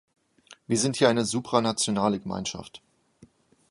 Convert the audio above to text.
Wir sind hier eine supranationale Gemeinschaft.